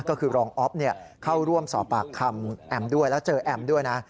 ก็คือรองอ๊อฟเข้าร่วมสอบปากคำแอมด้วยแล้วเจอแอมด้วยนะ